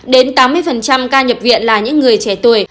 đến tám mươi ca nhập viện là những người trẻ tuổi